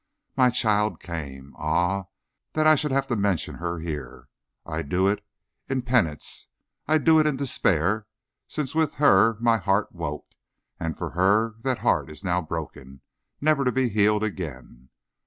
My child came. Ah! that I should have to mention her here! I do it in penance; I do it in despair; since with her my heart woke, and for her that heart is now broken, never to be healed again.